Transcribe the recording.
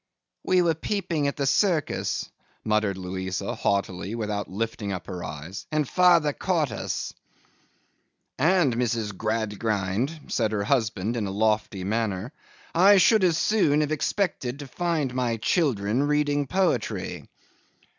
'We were peeping at the circus,' muttered Louisa, haughtily, without lifting up her eyes, 'and father caught us.' 'And, Mrs. Gradgrind,' said her husband in a lofty manner, 'I should as soon have expected to find my children reading poetry.